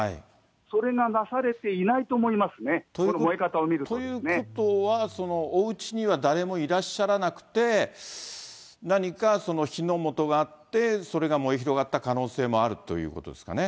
それがなされていないと思いますということは、おうちには誰もいらっしゃらなくて、何か火の元があって、それが燃え広がった可能性もあるということですかね。